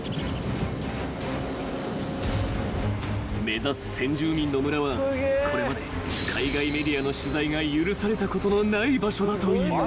［目指す先住民の村はこれまで海外メディアの取材が許されたことのない場所だという］